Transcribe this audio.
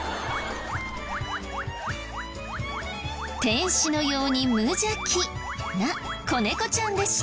天使のように無邪気な子猫ちゃんでした。